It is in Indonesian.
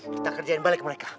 kita kerjain balik mereka